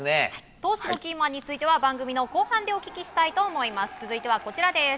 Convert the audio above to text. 投手のキーマンは番組の後半でお聞きしたいと思います。